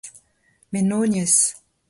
Maenoniezh